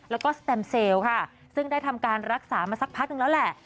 แล้วก็สแตมเซลค่ะซึ่งได้ทำการรักษามาสักพักนึงแล้วแหละ